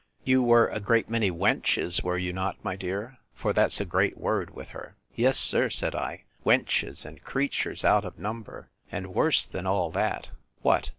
You were a great many wenches, were you not, my dear? for that's a great word with her.—Yes, sir, said I, wenches and creatures out of number; and worse than all that. What?